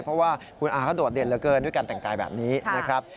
เพราะว่าคุณอาเขาโดดเด่นเหลือเกินด้วยการแต่งกายแบบนี้นะครับ